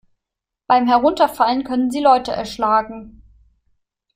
Beim Herunterfallen können sie Leute erschlagen.